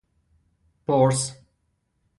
پرس